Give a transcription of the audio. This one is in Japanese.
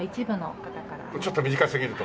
ちょっと短すぎると。